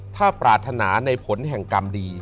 ถ้าปรารถนาในผลแห่งกรรมดี